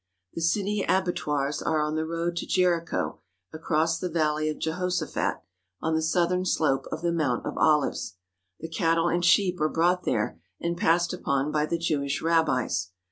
The city abattoirs are on the road to Jericho across the valley of Jehoshaphat, on the southern slope of the Mount of Olives. The cattle and sheep are brought there and passed upon by the Jewish rabbis.